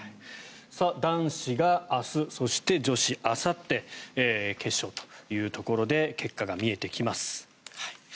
男子が明日そして女子、あさって決勝というところで結果が見えてきます。